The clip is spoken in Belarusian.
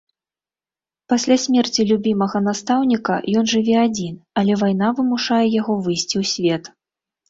Пасля смерці любімага настаўніка ён жыве адзін, але вайна вымушае яго выйсці ў свет.